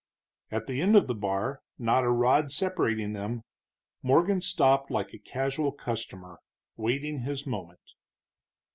At the end of the bar, not a rod separating them, Morgan stopped like a casual customer, waiting his moment.